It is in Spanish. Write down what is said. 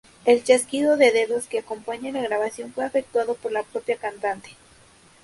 El chasquido de dedos que acompaña la grabación fue efectuado por la propia cantante.